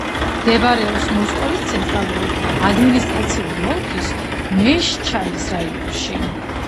მდებარეობს მოსკოვის ცენტრალური ადმინისტრაციული ოლქის მეშჩანის რაიონში.